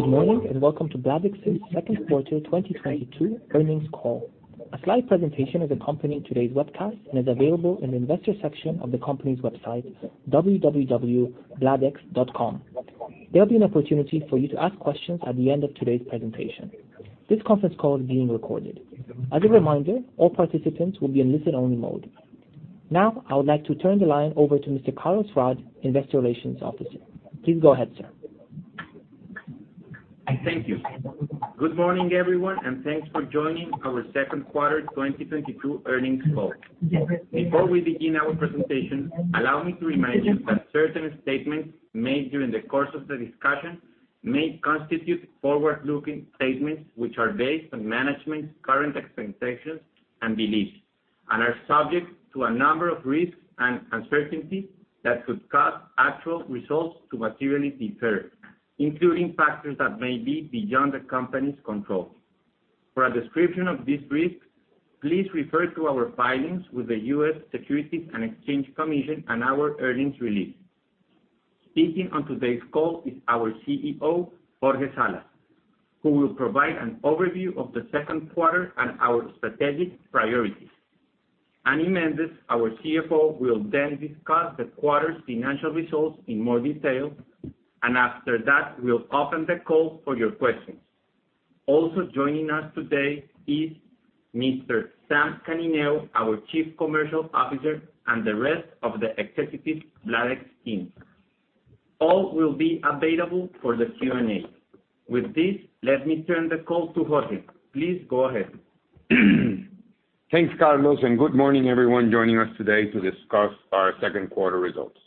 Good morning, and welcome to Bladex's second quarter 2022 earnings call. A slide presentation of the company in today's broadcast, and is available in the Investors section of the company's website, www.bladex.com. There'll be an opportunity for you to ask questions at the end of today's presentation. This conference call is being recorded. As a reminder, all participants will be in listen-only mode. Now, I would like to turn the line over to Mr. Carlos Raad, Investor Relations Officer. Please go ahead, sir. Thank you. Good morning, everyone, and thanks for joining our second quarter 2022 earnings call. Before we begin our presentation, allow me to remind you that certain statements made during the course of the discussion may constitute forward-looking statements, which are based on management's current expectations and beliefs, and are subject to a number of risks and uncertainties that could cause actual results to materially differ, including factors that may be beyond the company's control. For a description of these risks, please refer to our filings with the U.S. Securities and Exchange Commission and our earnings release. Speaking on today's call is our CEO, Jorge Salas, who will provide an overview of the second quarter and our strategic priorities. Annie Mendez, our CFO, will then discuss the quarter's financial results in more detail, and after that, we'll open the call for your questions. Also joining us today is Mr. Sam Canineu, our Chief Commercial Officer, and the rest of the executive Bladex team. All will be available for the Q&A. With this, let me turn the call to Jorge Salas. Please go ahead. Thanks, Carlos, and good morning everyone joining us today to discuss our second quarter results.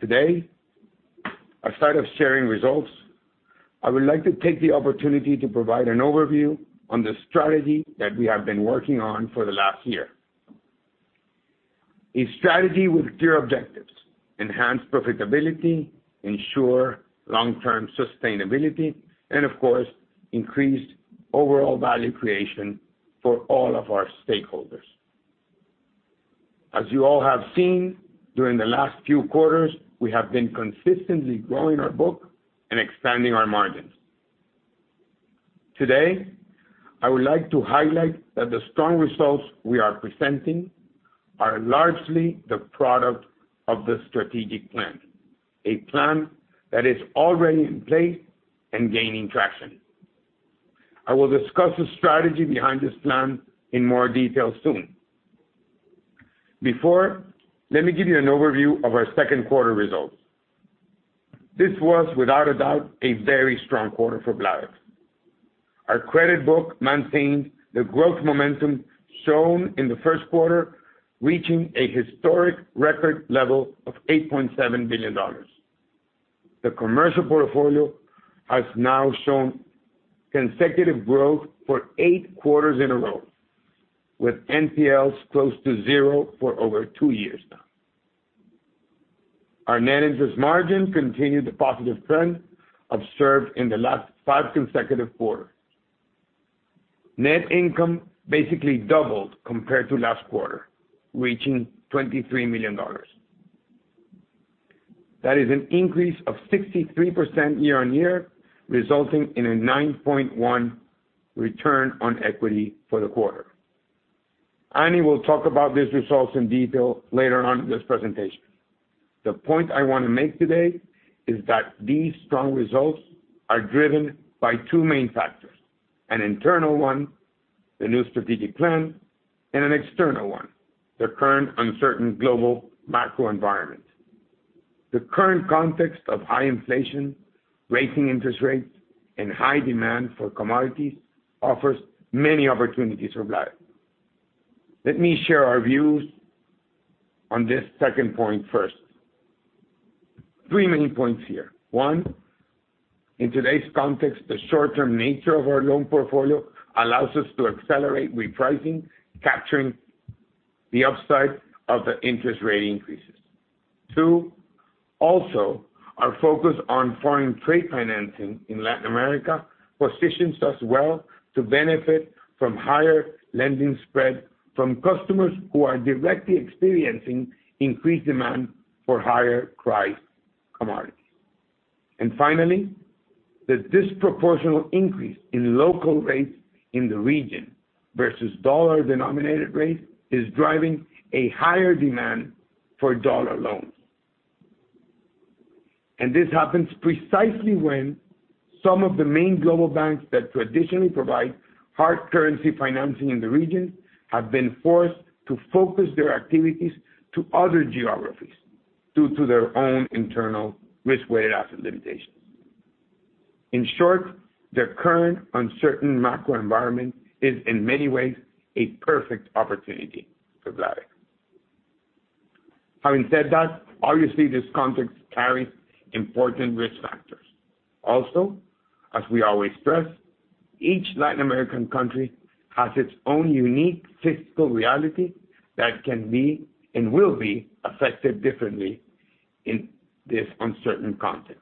Today, aside from sharing results, I would like to take the opportunity to provide an overview on the strategy that we have been working on for the last year. A strategy with clear objectives. Enhance profitability, ensure long-term sustainability, and of course, increased overall value creation for all of our stakeholders. As you all have seen, during the last few quarters, we have been consistently growing our book and expanding our margins. Today, I would like to highlight that the strong results we are presenting are largely the product of the strategic plan, a plan that is already in place and gaining traction. I will discuss the strategy behind this plan in more detail soon. Before, let me give you an overview of our second quarter results. This was without a doubt a very strong quarter for Bladex. Our credit book maintained the growth momentum shown in the first quarter, reaching a historic record level of $8.7 billion. The commercial portfolio has now shown consecutive growth for eight quarters in a row, with NPLs close to zero for over two years now. Our net interest margin continued the positive trend observed in the last five consecutive quarters. Net income basically doubled compared to last quarter, reaching $23 million. That is an increase of 63% year-on-year, resulting in a 9.1% return on equity for the quarter. Annie will talk about these results in detail later on in this presentation. The point I wanna make today is that these strong results are driven by two main factors, an internal one, the new strategic plan, and an external one, the current uncertain global macro environment. The current context of high inflation, raising interest rates, and high demand for commodities offers many opportunities for Bladex. Let me share our views on this second point first. Three main points here. One, in today's context, the short-term nature of our loan portfolio allows us to accelerate repricing, capturing the upside of the interest rate increases. Two, also, our focus on foreign trade financing in Latin America positions us well to benefit from higher lending spread from customers who are directly experiencing increased demand for higher price commodities. Finally, the disproportional increase in local rates in the region versus dollar-denominated rates is driving a higher demand for dollar loans. This happens precisely when some of the main global banks that traditionally provide hard currency financing in the region have been forced to focus their activities to other geographies due to their own internal risk-weighted asset limitations. In short, the current uncertain macro environment is in many ways a perfect opportunity for Bladex. Having said that, obviously, this context carries important risk factors. Also, as we always stress, each Latin American country has its own unique fiscal reality that can be and will be affected differently in this uncertain context.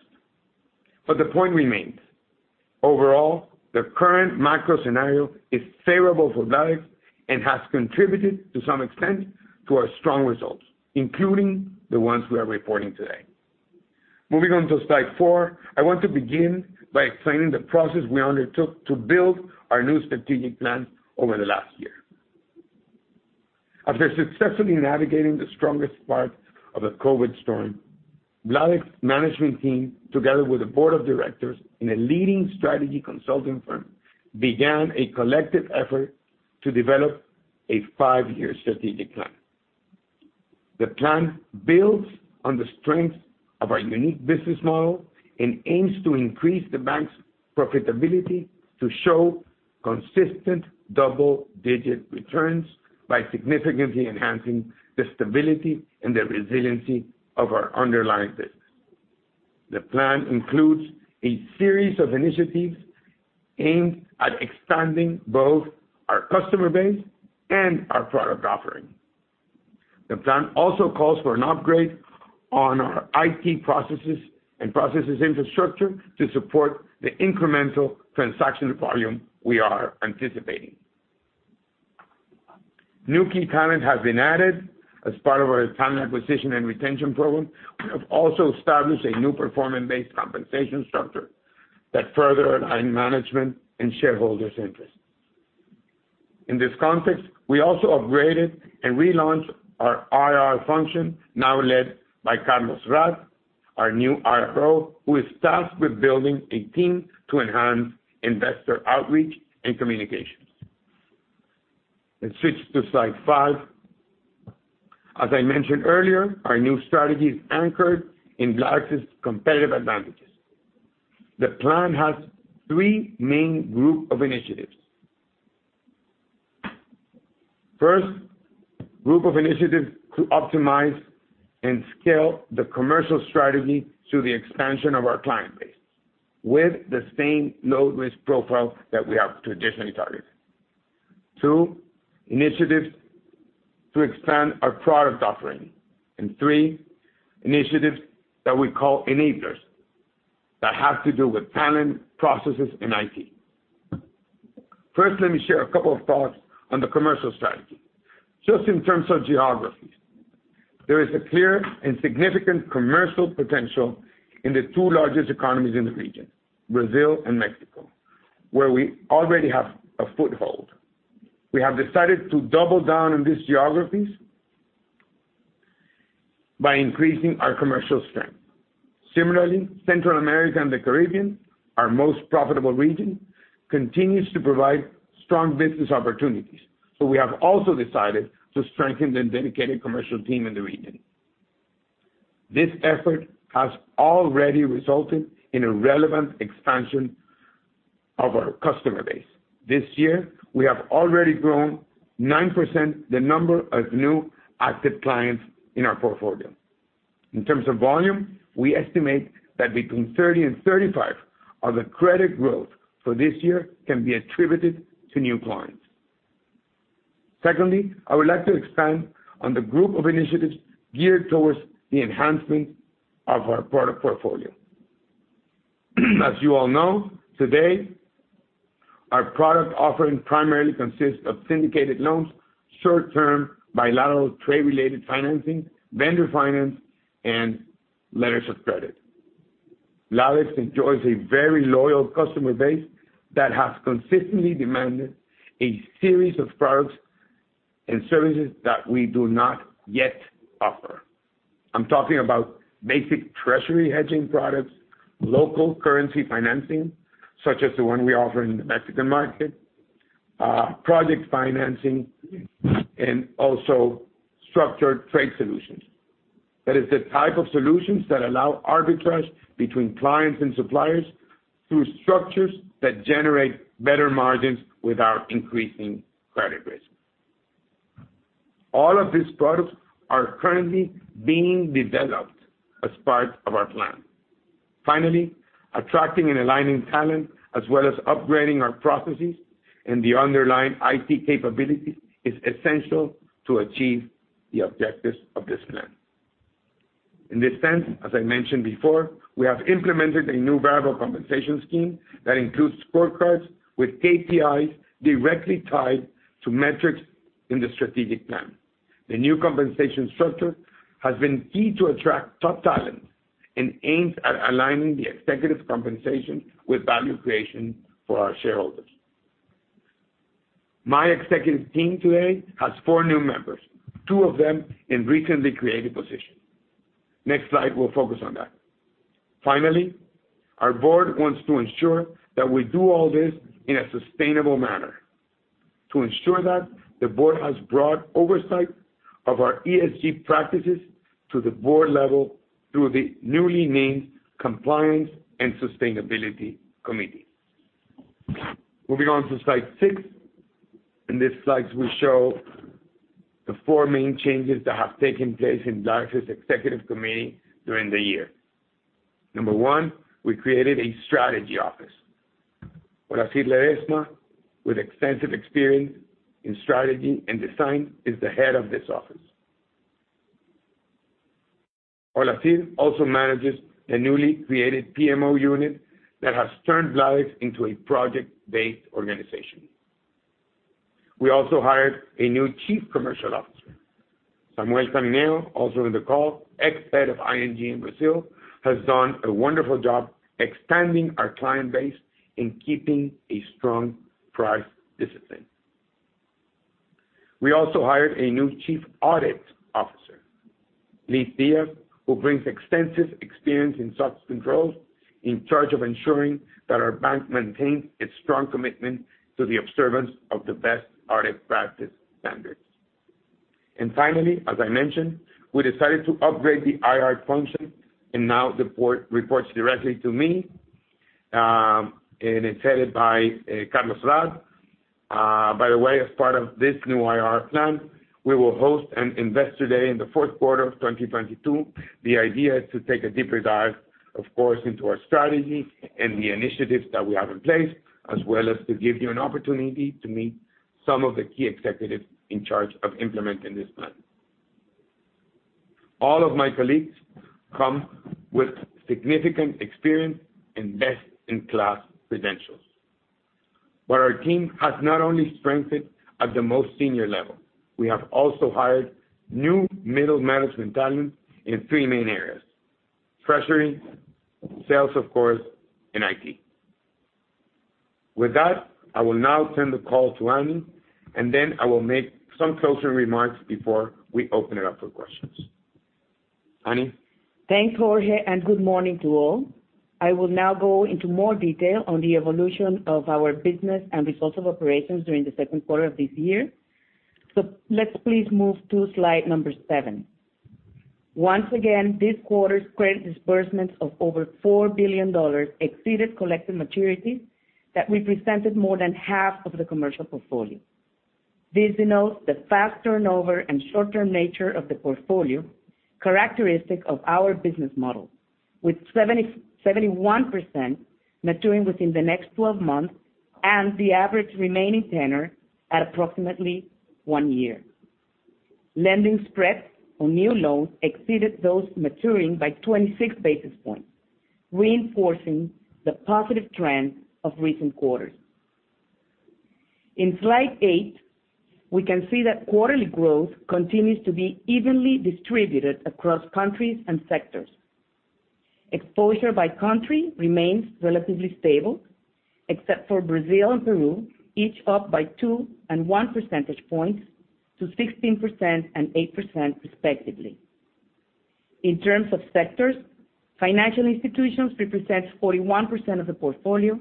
The point remains. Overall, the current macro scenario is favorable for Bladex and has contributed, to some extent, to our strong results, including the ones we are reporting today. Moving on to slide four, I want to begin by explaining the process we undertook to build our new strategic plan over the last year. After successfully navigating the strongest parts of the COVID storm, Bladex's management team, together with the board of directors and a leading strategy consulting firm, began a collective effort to develop a five-year strategic plan. The plan builds on the strength of our unique business model and aims to increase the bank's profitability to show consistent double-digit returns by significantly enhancing the stability and the resiliency of our underlying business. The plan includes a series of initiatives aimed at expanding both our customer base and our product offering. The plan also calls for an upgrade on our IT processes and processes infrastructure to support the incremental transaction volume we are anticipating. New key talent has been added as part of our talent acquisition and retention program. We have also established a new performance-based compensation structure that further align management and shareholders' interests. In this context, we also upgraded and relaunched our IR function, now led by Carlos Raad, our new IRO, who is tasked with building a team to enhance investor outreach and communications. Let's switch to slide five. As I mentioned earlier, our new strategy is anchored in Bladex's competitive advantages. The plan has three main group of initiatives. First, group of initiatives to optimize and scale the commercial strategy through the expansion of our client base with the same low-risk profile that we have traditionally targeted. Two, initiatives to expand our product offering. And three, initiatives that we call enablers that have to do with talent, processes, and, IT. First, let me share a couple of thoughts on the commercial strategy. Just in terms of geographies, there is a clear and significant commercial potential in the two largest economies in the region, Brazil and Mexico, where we already have a foothold. We have decided to double down on these geographies by increasing our commercial strength. Central America and the Caribbean, our most profitable region, continues to provide strong business opportunities, so we have also decided to strengthen the dedicated commercial team in the region. This effort has already resulted in a relevant expansion of our customer base. This year, we have already grown 9% the number of new active clients in our portfolio. In terms of volume, we estimate that between 30% and 35% of the credit growth for this year can be attributed to new clients. Secondly, I would like to expand on the group of initiatives geared towards the enhancement of our product portfolio. As you all know, today, our product offering primarily consists of syndicated loans, short-term bilateral trade-related financing, vendor finance, and letters of credit. Bladex enjoys a very loyal customer base that has consistently demanded a series of products and services that we do not yet offer. I'm talking about basic treasury hedging products, local currency financing, such as the one we offer in the Mexican market, project financing, and also structured trade solutions. That is the type of solutions that allow arbitrage between clients and suppliers through structures that generate better margins without increasing credit risk. All of these products are currently being developed as part of our plan. Finally, attracting and aligning talent, as well as upgrading our processes and the underlying IT capability is essential to achieve the objectives of this plan. In this sense, as I mentioned before, we have implemented a new variable compensation scheme that includes scorecards with KPIs directly tied to metrics in the strategic plan. The new compensation structure has been key to attract top talent and aims at aligning the executive compensation with value creation for our shareholders. My executive team today has four new members, two of them in recently created positions. Next slide, we'll focus on that. Finally, our Board wants to ensure that we do all this in a sustainable manner. To ensure that, the Board has brought oversight of our ESG practices to the board level through the newly named Compliance and Sustainability Committee. Moving on to slide six. In this slide, we show the four main changes that have taken place in Bladex's Executive Committee during the year. Number one, we created a strategy office. Olazhir Ledezma, with extensive experience in strategy and design, is the head of this office. Olazhir also manages the newly created PMO unit that has turned Bladex into a project-based organization. We also hired a new Chief Commercial Officer, Samuel Canineu, also in the call, ex-head of ING in Brazil, has done a wonderful job expanding our client base and keeping a strong price discipline. We also hired a new Chief Audit Officer, Liz Díaz, who brings extensive experience in such controls, in charge of ensuring that our bank maintains its strong commitment to the observance of the best audit practice standards. Finally, as I mentioned, we decided to upgrade the IR function and now the board reports directly to me, and it's headed by Carlos Raad. By the way, as part of this new IR plan, we will host an Investor Day in the fourth quarter of 2022. The idea is to take a deeper dive, of course, into our strategy and the initiatives that we have in place, as well as to give you an opportunity to meet some of the key executives in charge of implementing this plan. All of my colleagues come with significant experience and best-in-class credentials. Our team has not only strengthened at the most senior level, we have also hired new middle management talent in three main areas, treasury, sales, of course, and IT. With that, I will now turn the call to Annie, and then I will make some closing remarks before we open it up for questions. Annie? Thanks, Jorge, and good morning to all. I will now go into more detail on the evolution of our business and results of operations during the second quarter of this year. Let's please move to slide seven. Once again, this quarter's credit disbursements of over $4 billion exceeded collected maturities that represented more than half of the commercial portfolio. This denotes the fast turnover and short-term nature of the portfolio characteristic of our business model, with 71% maturing within the next 12 months and the average remaining tenor at approximately one year. Lending spreads on new loans exceeded those maturing by 26 basis points, reinforcing the positive trend of recent quarters. In slide eight, we can see that quarterly growth continues to be evenly distributed across countries and sectors. Exposure by country remains relatively stable, except for Brazil and Peru, each up by two and one percentage points to 16% and 8% respectively. In terms of sectors, financial institutions represent 41% of the portfolio,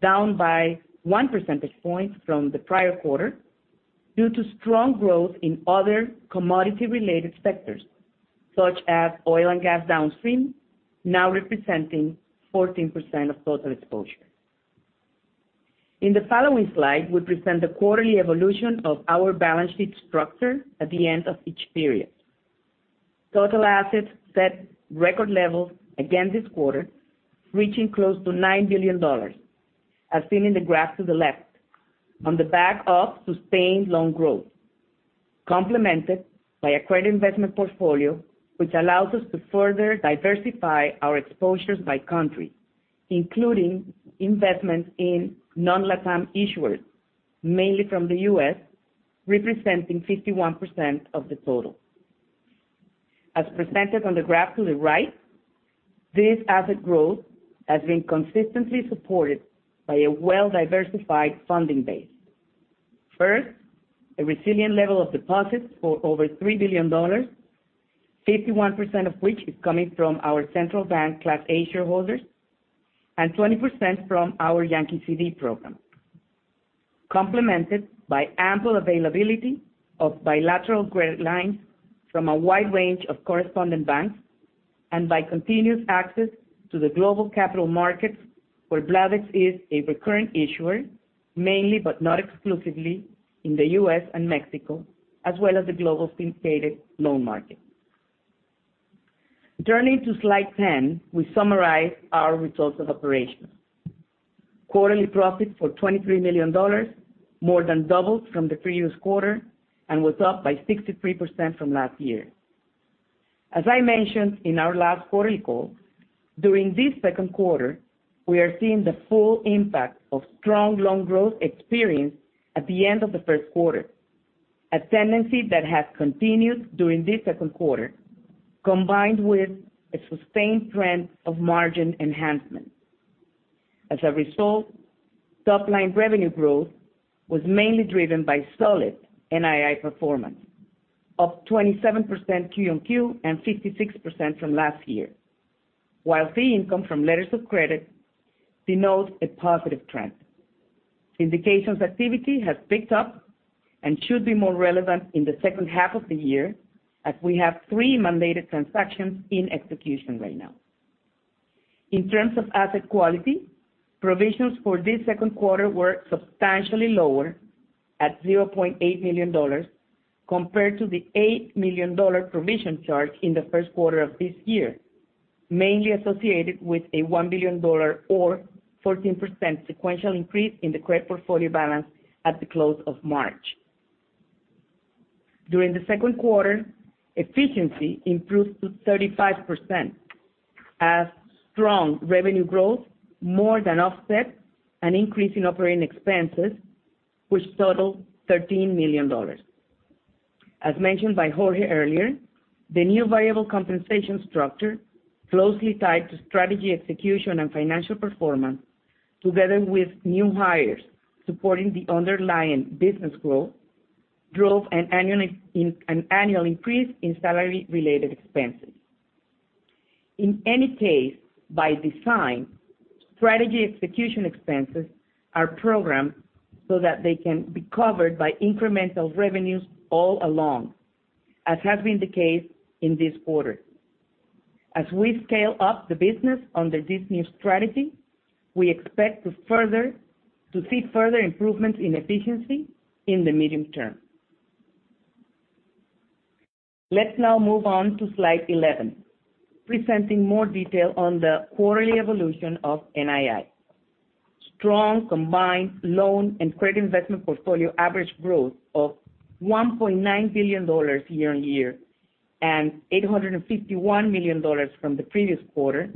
down by one percentage point from the prior quarter due to strong growth in other commodity-related sectors, such as oil and gas downstream, now representing 14% of total exposure. In the following slide, we present the quarterly evolution of our balance sheet structure at the end of each period. Total assets set record levels again this quarter, reaching close to $9 billion, as seen in the graph to the left, on the back of sustained loan growth, complemented by a credit investment portfolio, which allows us to further diversify our exposures by country, including investments in non-LATAM issuers, mainly from the U.S., representing 51% of the total. As presented on the graph to the right, this asset growth has been consistently supported by a well-diversified funding base. First, a resilient level of deposits of over $3 billion, 51% of which is coming from our central bank class A shareholders, and 20% from our Yankee CD program, complemented by ample availability of bilateral credit lines from a wide range of correspondent banks, and by continuous access to the global capital markets where Bladex is a recurrent issuer, mainly but not exclusively in the U.S. and Mexico, as well as the global syndicated loan market. Turning to slide 10, we summarize our results of operations. Quarterly profits of $23 million more than doubled from the previous quarter and was up by 63% from last year. As I mentioned in our last quarterly call, during this second quarter, we are seeing the full impact of strong loan growth experienced at the end of the first quarter, a tendency that has continued during this second quarter, combined with a sustained trend of margin enhancement. As a result, top-line revenue growth was mainly driven by solid NII performance, up 27% Q-on-Q and 56% year-over-year. While fee income from letters of credit denotes a positive trend, indicating activity has picked up and should be more relevant in the second half of the year, as we have three mandated transactions in execution right now. In terms of asset quality, provisions for this second quarter were substantially lower at $0.8 million compared to the $8 million provision charge in the first quarter of this year, mainly associated with a $1 billion or 14% sequential increase in the credit portfolio balance at the close of March. During the second quarter, efficiency improved to 35% as strong revenue growth more than offset an increase in operating expenses, which totaled $13 million. As mentioned by Jorge earlier, the new variable compensation structure closely tied to strategy execution and financial performance together with new hires supporting the underlying business growth, drove an annual increase in salary-related expenses. In any case, by design, strategy execution expenses are programmed so that they can be covered by incremental revenues all along, as has been the case in this quarter. As we scale up the business under this new strategy, we expect to see further improvements in efficiency in the medium term. Let's now move on to slide 11, presenting more detail on the quarterly evolution of NII. Strong combined loan and credit investment portfolio average growth of $1.9 billion year-on-year, and $851 million from the previous quarter,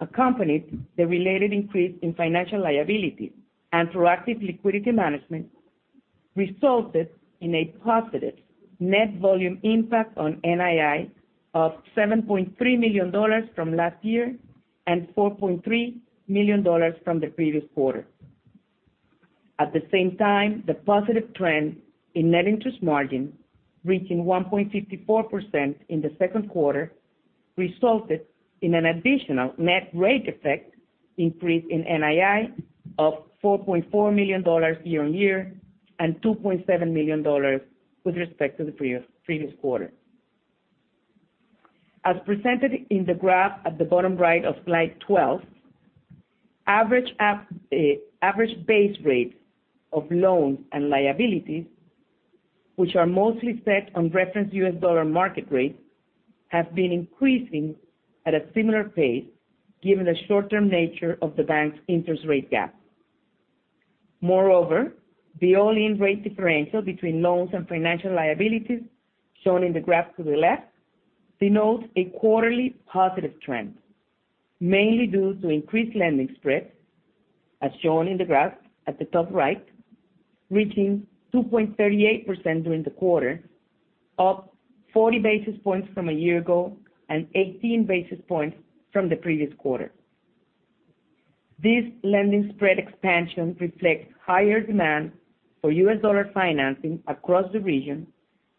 accompanied the related increase in financial liability and proactive liquidity management resulted in a positive net volume impact on NII of $7.3 million from last year and $4.3 million from the previous quarter. At the same time, the positive trend in net interest margin reaching 1.54% in the second quarter resulted in an additional net rate effect increase in NII of $4.4 million year-on-year and $2.7 million with respect to the previous quarter. As presented in the graph at the bottom right of slide 12, average base rate of loans and liabilities, which are mostly set on reference US dollar market rates, have been increasing at a similar pace given the short-term nature of the bank's interest rate gap. Moreover, the all-in rate differential between loans and financial liabilities shown in the graph to the left denotes a quarterly positive trend, mainly due to increased lending spreads, as shown in the graph at the top right, reaching 2.38% during the quarter, up 40 basis points from a year ago and 18 basis points from the previous quarter. This lending spread expansion reflects higher demand for US dollar financing across the region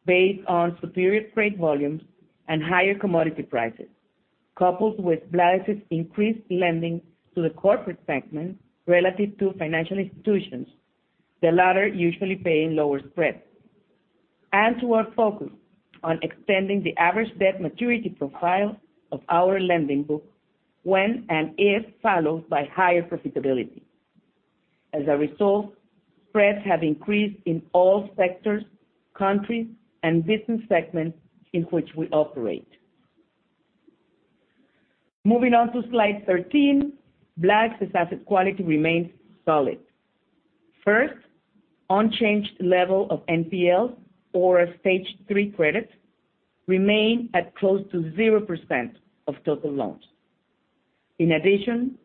based on superior trade volumes and higher commodity prices, coupled with Bladex's increased lending to the corporate segment relative to financial institutions, the latter usually paying lower spreads. To our focus on extending the average debt maturity profile of our lending book when and if followed by higher profitability. As a result, spreads have increased in all sectors, countries, and business segments in which we operate. Moving on to slide 13, Bladex's asset quality remains solid. First, unchanged level of NPL or Stage three credits remain at close to 0% of total loans. In addition,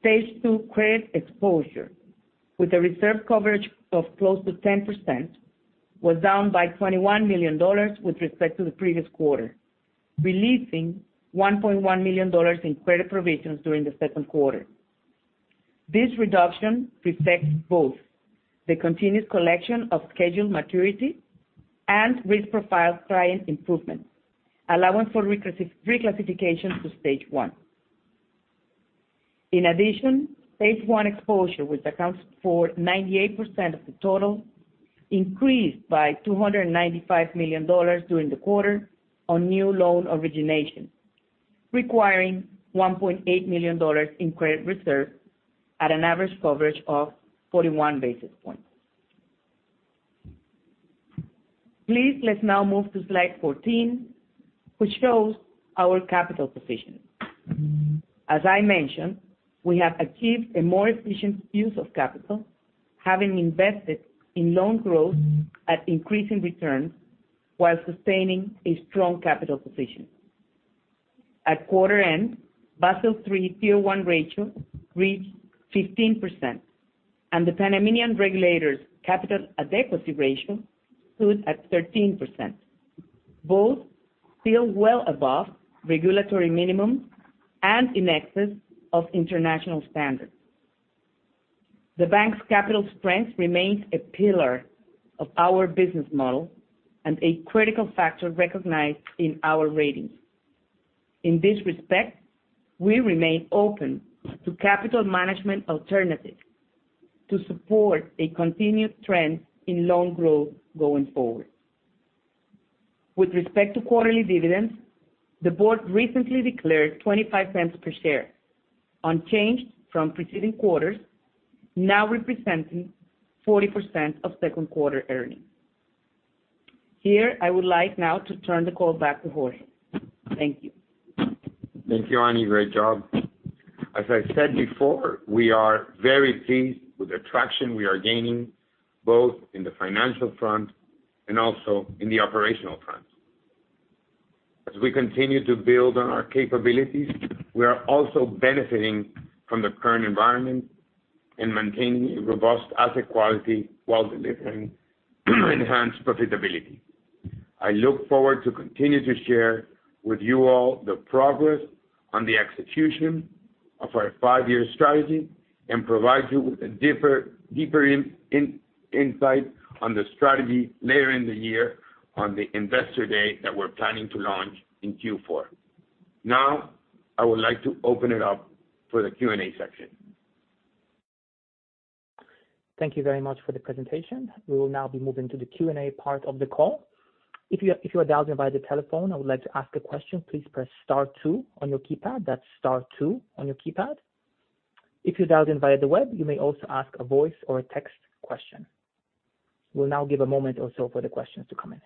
Stage two credit exposure with a reserve coverage of close to 10% was down by $21 million with respect to the previous quarter, releasing $1.1 million in credit provisions during the second quarter. This reduction reflects both the continued collection of scheduled maturity and risk-profile client improvements, allowing for reclassification to Stage one. In addition, Stage one exposure, which accounts for 98% of the total, increased by $295 million during the quarter on new loan origination, requiring $1.8 million in credit reserve at an average coverage of 41 basis points. Please, let's now move to slide 14, which shows our capital position. As I mentioned, we have achieved a more efficient use of capital, having invested in loan growth at increasing returns while sustaining a strong capital position. At quarter end, Basel III Tier 1 ratio reached 15%, and the Panamanian regulators capital adequacy ratio stood at 13%, both still well above regulatory minimums and in excess of international standards. The bank's capital strength remains a pillar of our business model and a critical factor recognized in our ratings. In this respect, we remain open to capital management alternatives to support a continued trend in loan growth going forward. With respect to quarterly dividends, the board recently declared $0.25 per share, unchanged from preceding quarters, now representing 40% of second quarter earnings. Here, I would like now to turn the call back to Jorge. Thank you. Thank you, Annie. Great job. As I said before, we are very pleased with the traction we are gaining, both in the financial front and also in the operational front. As we continue to build on our capabilities, we are also benefiting from the current environment and maintaining a robust asset quality while delivering enhanced profitability. I look forward to continue to share with you all the progress on the execution of our five-year strategy, and provide you with a deeper insight on the strategy later in the year on the Investor Day that we're planning to launch in Q4. Now I would like to open it up for the Q&A section. Thank you very much for the presentation. We will now be moving to the Q&A part of the call. If you are dialed in by the telephone and would like to ask a question, please press star two on your keypad. That's star two on your keypad. If you're dialed in via the web, you may also ask a voice or a text question. We'll now give a moment or so for the questions to come in.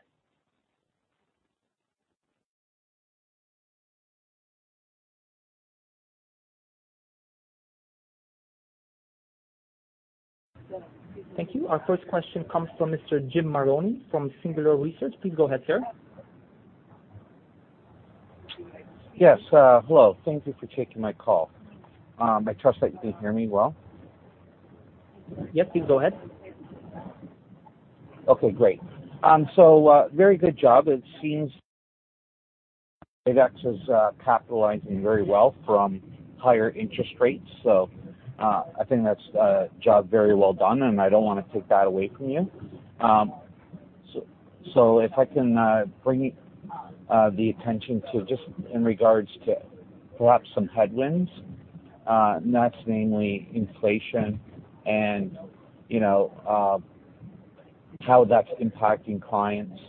Thank you. Our first question comes from Mr. Jim Marrone from Singular Research. Please go ahead, sir. Yes, hello. Thank you for taking my call. I trust that you can hear me well. Yes, please go ahead. Okay, great. So, very good job. It seems Bladex is capitalizing very well from higher interest rates, so I think that's job very well done, and I don't wanna take that away from you. So, if I can bring the attention to just in regards to perhaps some headwinds, and that's mainly inflation and, you know, how that's impacting clients,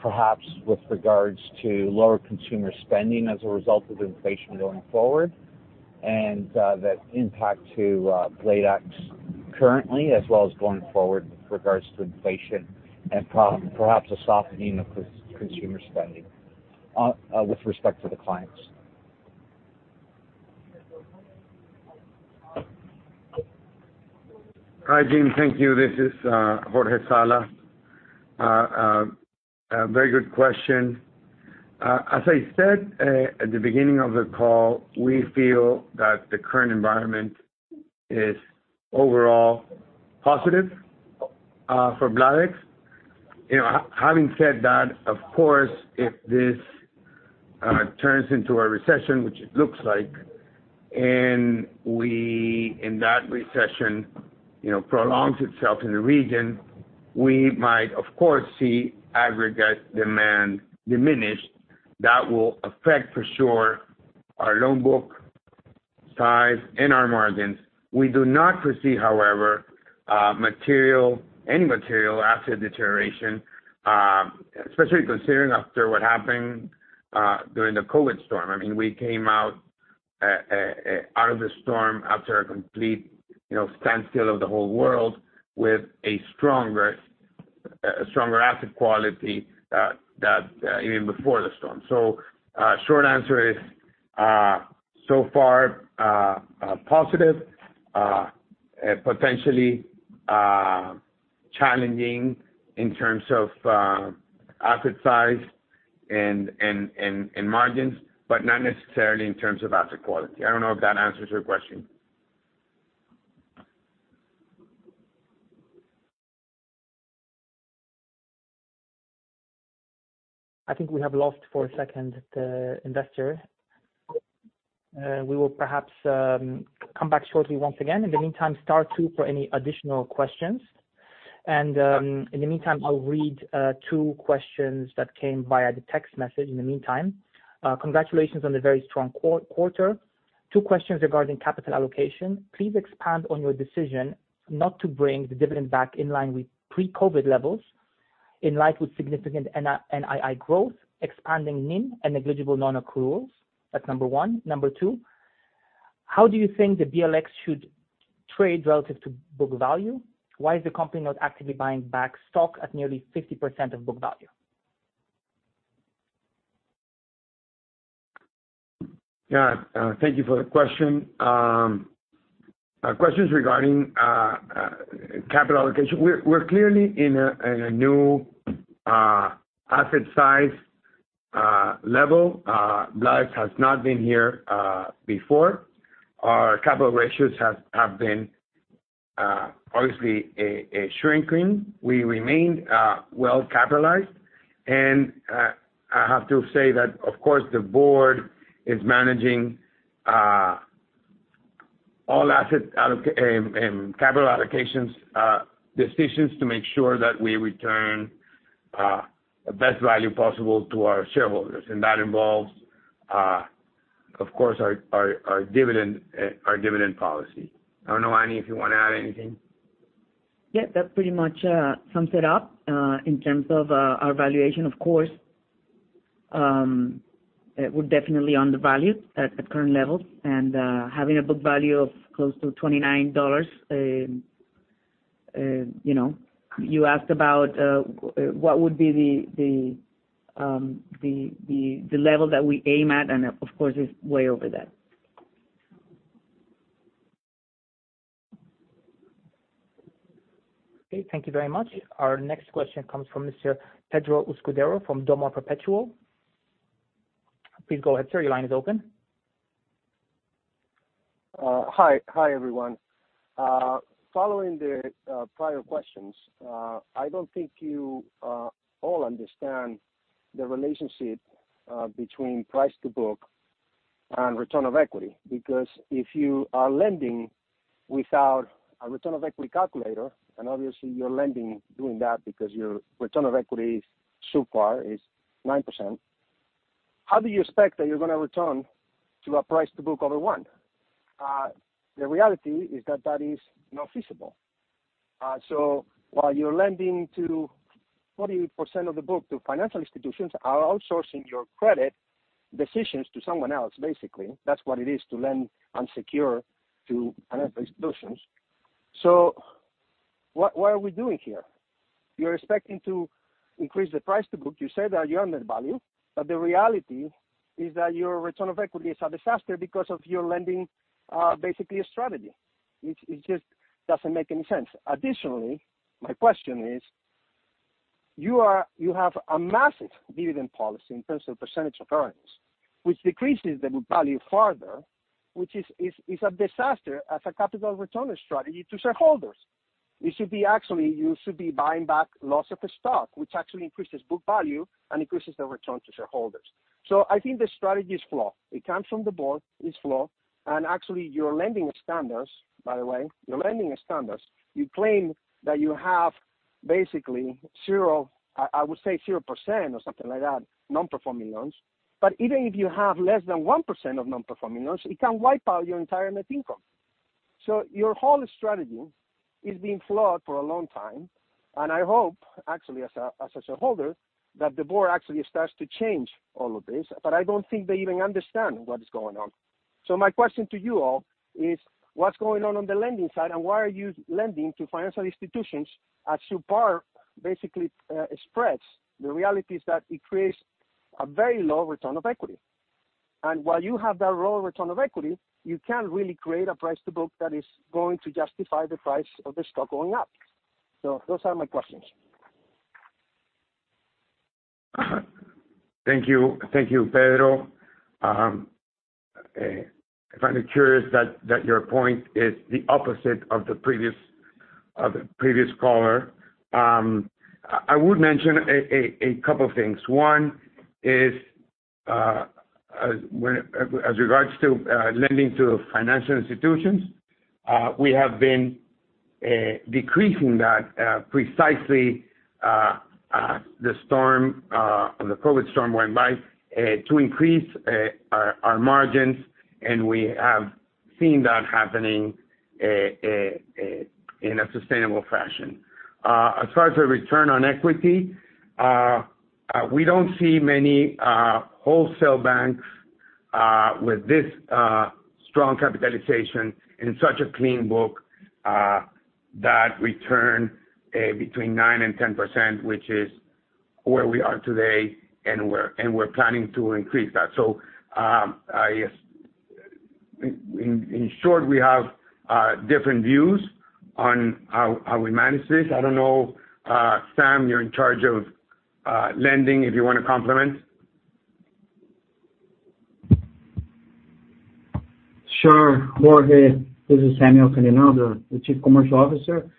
perhaps with regards to lower consumer spending as a result of inflation going forward. The impact to Bladex currently, as well as going forward with regards to inflation and perhaps a softening of consumer spending, with respect to the clients. Hi, Jim. Thank you. This is Jorge Salas. A very good question. As I said at the beginning of the call, we feel that the current environment is overall positive for Bladex. You know, having said that, of course, if this turns into a recession, which it looks like, and if in that recession, you know, prolongs itself in the region, we might, of course, see aggregate demand diminish. That will affect for sure our loan book size and our margins. We do not foresee, however, any material asset deterioration, especially considering after what happened during the COVID storm. I mean, we came out of the storm after a complete, you know, standstill of the whole world with a stronger asset quality that even before the storm. Short answer is, so far, positive, potentially challenging in terms of asset size and margins, but not necessarily in terms of asset quality. I don't know if that answers your question. I think we have lost for a second the investor. We will perhaps come back shortly once again. In the meantime, star two for any additional questions. In the meantime, I'll read two questions that came via the text message in the meantime. Congratulations on the very strong quarter. Two questions regarding capital allocation. Please expand on your decision not to bring the dividend back in line with pre-COVID levels in light of significant NII growth, expanding NIM and negligible non-accruals. That's number one. Number two, how do you think the BLX should trade relative to book value? Why is the company not actively buying back stock at nearly 50% of book value? Yeah. Thank you for the question. Questions regarding capital allocation. We're clearly in a new asset size level. Bladex has not been here before. Our capital ratios have been obviously a shrinking. We remain well capitalized. I have to say that, of course, the board is managing all capital allocations decisions to make sure that we return the best value possible to our shareholders. That involves, of course, our dividend policy. I don't know, Annie, if you wanna add anything. Yeah, that pretty much sums it up. In terms of our valuation, of course, we're definitely undervalued at current levels. Having a book value of close to $29, You know, you asked about what would be the level that we aim at, and of course, it's way over that. Okay, thank you very much. Our next question comes from Mr. Pedro Escudero from DOMA Perpetual. Please go ahead, sir, your line is open. Hi. Hi, everyone. Following the prior questions, I don't think you all understand the relationship between price-to-book and return on equity, because if you are lending without a return on equity calculator, and obviously you're lending doing that because your return on equity so far is 9%. How do you expect that you're gonna return to a price-to-book over one? The reality is that is not feasible. While you're lending 40% of the book to financial institutions, you're outsourcing your credit decisions to someone else, basically. That's what it is to lend and secure to financial institutions. What are we doing here? You're expecting to increase the price-to-book, you said that your net asset value, but the reality is that your return on equity is a disaster because of your lending, basically a strategy. It just doesn't make any sense. Additionally, my question is, you have a massive dividend policy in terms of percentage of earnings, which decreases the book value further, which is a disaster as a capital return strategy to shareholders. You should actually be buying back lots of the stock, which actually increases book value and increases the return to shareholders. I think the strategy is flawed. It comes from the Board, it's flawed, and actually, your lending standards, by the way, your lending standards, you claim that you have basically 0%, I would say 0% or something like that, non-performing loans. Even if you have less than 1% of non-performing loans, it can wipe out your entire net income. Your whole strategy is being flawed for a long time, and I hope, actually as a shareholder, that the board actually starts to change all of this. I don't think they even understand what is going on. My question to you all is, what's going on on the lending side, and why are you lending to financial institutions at subpar, basically, spreads? The reality is that it creates a very low return on equity. While you have that low return on equity, you can't really create a price-to-book that is going to justify the price of the stock going up. Those are my questions. Thank you. Thank you, Pedro. I find it curious that your point is the opposite of the previous caller. I would mention a couple of things. One is, as regards to lending to financial institutions, we have been decreasing that precisely, the COVID storm went by, to increase our margins, and we have seen that happening in a sustainable fashion. As far as a return on equity, we don't see many wholesale banks with this strong capitalization in such a clean book, that return between 9% and 10%, which is where we are today, and we're planning to increase that. I guess in short, we have different views on how we manage this. I don't know, Sam, you're in charge of lending, if you wanna comment. Sure, Jorge. This is Samuel Canineu, the Chief Commercial Officer.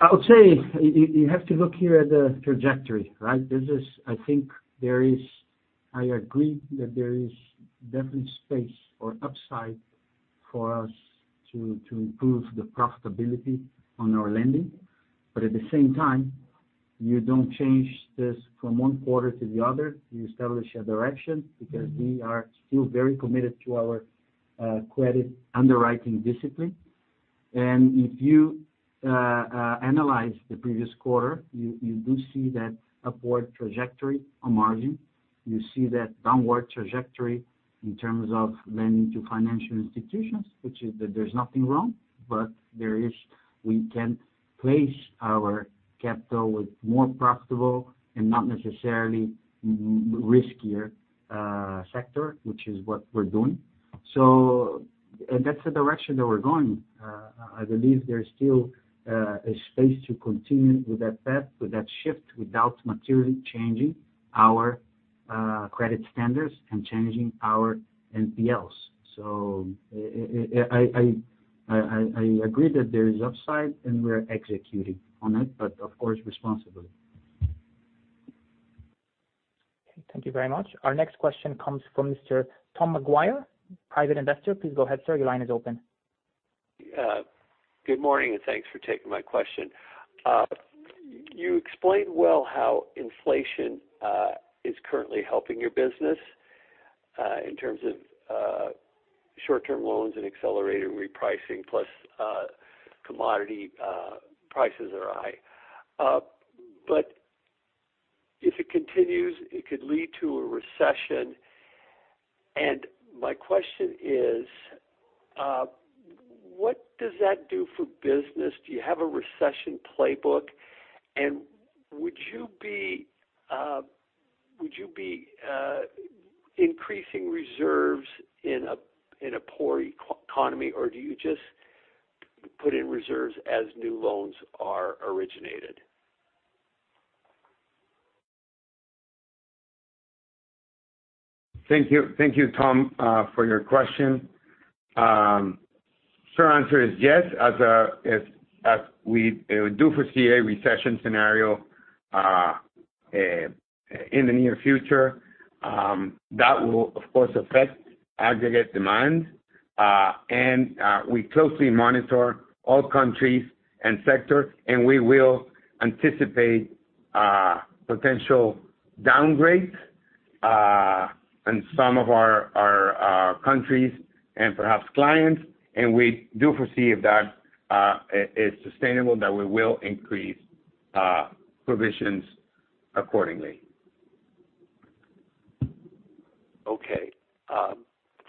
I would say you have to look here at the trajectory, right? I agree that there is definitely space or upside for us to improve the profitability on our lending. At the same time, you don't change this from one quarter to the other. You establish a direction because we are still very committed to our credit underwriting discipline. If you analyze the previous quarter, you do see that upward trajectory on margin. You see that downward trajectory in terms of lending to financial institutions, which is that there's nothing wrong, but there is we can place our capital with more profitable and not necessarily riskier sector, which is what we're doing. That's the direction that we're going. I believe there's still a space to continue with that path, with that shift, without materially changing our credit standards and changing our NPLs. I agree that there is upside and we're executing on it, but of course, responsibly. Okay, thank you very much. Our next question comes from Mr. Tom McGuire, Private Investor. Please go ahead, sir. Your line is open. Good morning, and thanks for taking my question. You explained well how inflation is currently helping your business in terms of short-term loans and accelerated repricing, plus commodity prices are high. If it continues, it could lead to a recession. My question is, what does that do for business? Do you have a recession playbook? Would you be increasing reserves in a poor economy, or do you just put in reserves as new loans are originated? Thank you. Thank you, Tom, for your question. Short answer is yes. As we do foresee a recession scenario in the near future, that will, of course, affect aggregate demand. We closely monitor all countries and sectors, and we will anticipate potential downgrades in some of our countries and perhaps clients. We do foresee if that is sustainable, that we will increase provisions accordingly. Okay.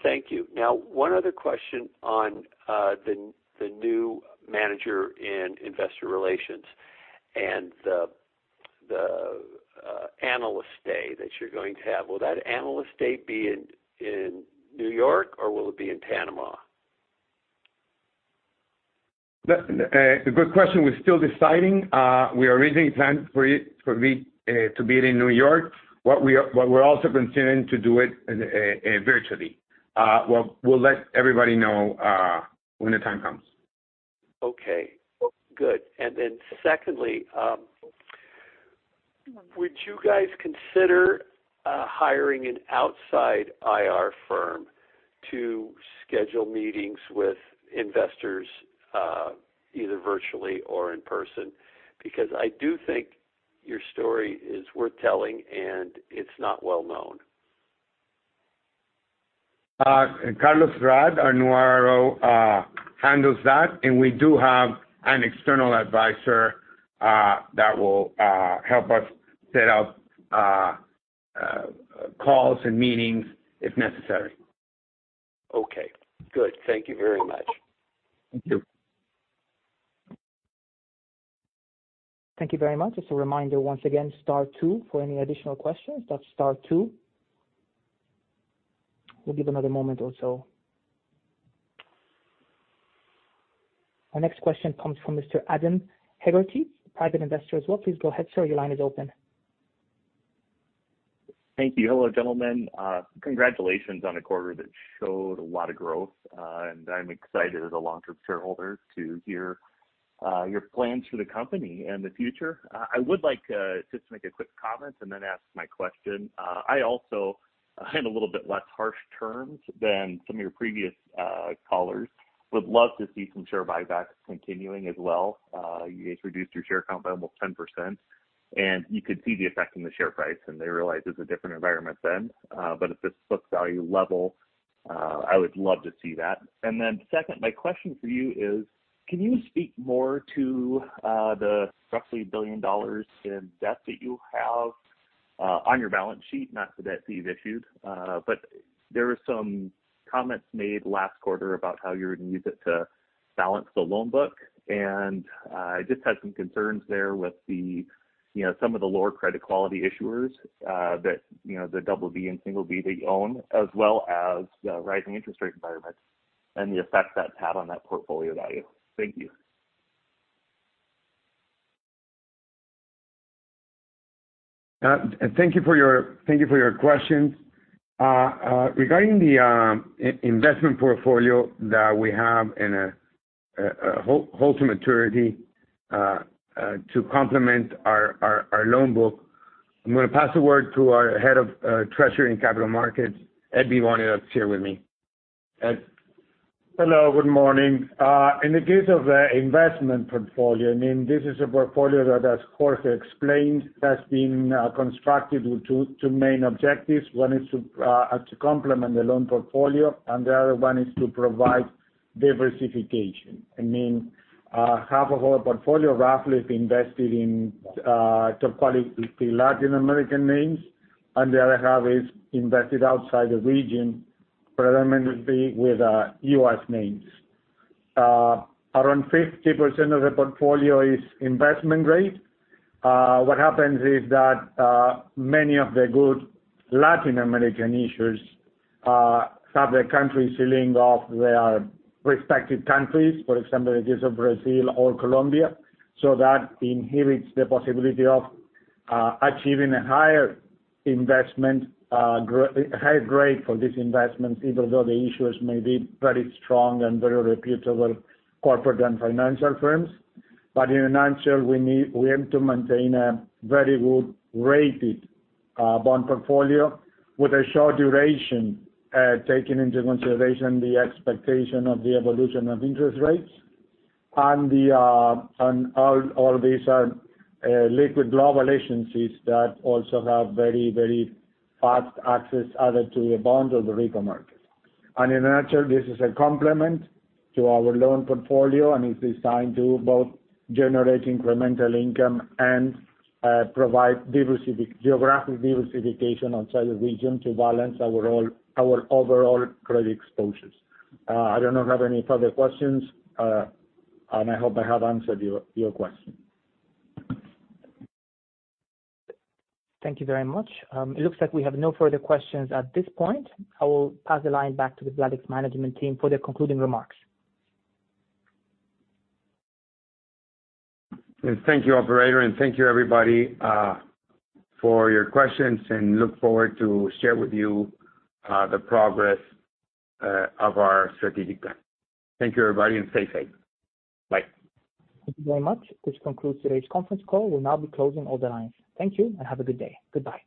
Thank you. Now, one other question on the new manager in investor relations and the analyst day that you're going to have. Will that Analyst Day be in New York or will it be in Panama? A good question. We're still deciding. We are originally planning for it to be in New York. We're also considering to do it virtually. We'll let everybody know when the time comes. Okay, good. Secondly, would you guys consider hiring an outside IR firm to schedule meetings with investors, either virtually or in person? Because I do think your story is worth telling, and it's not well-known. Carlos Raad, our new IRO, handles that, and we do have an external advisor that will help us set up calls and meetings if necessary. Okay, good. Thank you very much. Thank you. Thank you very much. Just a reminder, once again, star two for any additional questions. That's star two. We'll give another moment or so. Our next question comes from Mr. Adam Hegarty, Private Investor as well. Please go ahead, sir. Your line is open. Thank you. Hello, gentlemen. Congratulations on the quarter that showed a lot of growth, and I'm excited as a long-term shareholder to hear your plans for the company and the future. I would like just to make a quick comment and then ask my question. I also, in a little bit less harsh terms than some of your previous callers, would love to see some share buybacks continuing as well. You guys reduced your share count by almost 10%, and you could see the effect in the share price, and I realize it's a different environment then. At this book value level, I would love to see that. Second, my question for you is, can you speak more to the roughly $1 billion in debt that you have on your balance sheet, not the debt that you've issued? There were some comments made last quarter about how you would use it to balance the loan book. I just had some concerns there with the, you know, some of the lower credit quality issuers, that, you know, the double B and single B that you own, as well as the rising interest rate environment and the effect that it's had on that portfolio value. Thank you. Thank you for your questions. Regarding the investment portfolio that we have in a held-to-maturity, to complement our loan book, I'm gonna pass the word to our head of treasury and capital markets, Ed Vivone, who's here with me. Ed? Hello, good morning. In the case of the investment portfolio, I mean, this is a portfolio that, as Jorge explained, has been constructed with two main objectives. One is to complement the loan portfolio, and the other one is to provide diversification. I mean, half of our portfolio roughly is invested in top quality Latin American names, and the other half is invested outside the region, predominantly with U.S. names. Around 50% of the portfolio is investment grade. What happens is that many of the good Latin American issuers have their country ceilings of their respective countries. For example, the case of Brazil or Colombia. That inhibits the possibility of achieving a higher investment, a higher grade for this investment, even though the issuers may be very strong and very reputable corporate and financial firms. In a nutshell, we aim to maintain a very good rated bond portfolio with a short duration, taking into consideration the expectation of the evolution of interest rates, and all these are liquid global agencies that also have very, very fast access either to the bond or the repo market. In a nutshell, this is a complement to our loan portfolio, and it's designed to both generate incremental income and provide geographic diversification outside the region to balance our overall credit exposures. I don't know if I have any further questions, and I hope I have answered your question. Thank you very much. It looks like we have no further questions at this point. I will pass the line back to the Bladex management team for their concluding remarks. Thank you, operator, and thank you, everybody, for your questions and look forward to share with you, the progress, of our strategic plan. Thank you, everybody, and stay safe. Bye. Thank you very much. This concludes today's conference call. We'll now be closing all the lines. Thank you, and have a good day. Goodbye.